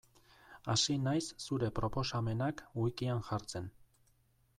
Hasi naiz zure proposamenak wikian jartzen.